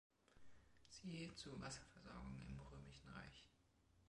Siehe hierzu Wasserversorgung im Römischen Reich.